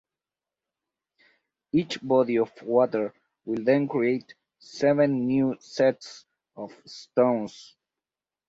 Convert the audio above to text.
Each body of water will then create seven new sets of stones.